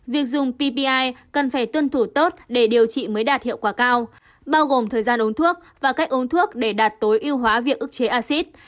việc dùng ppi cần phải tuân thủ tốt để điều trị mới đạt hiệu quả cao bao gồm thời gian uống thuốc và cách uống thuốc để đạt tối ưu hóa việc ức chế acid